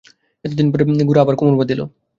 এতদিন পরে গোরা আবার কোমর বাঁধিল।